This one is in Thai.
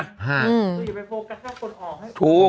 เดี๋ยวไปโฟกัส๓คนออก